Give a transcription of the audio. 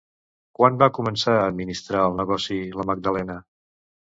Quan va començar a administrar el negoci, la Magdalena?